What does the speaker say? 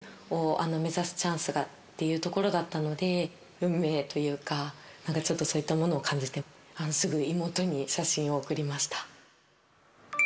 東京オリンピックを目指すチャンスがっていうところだったので、運命というか、なんかちょっとそういったものを感じて、すぐ妹に写真を送りました。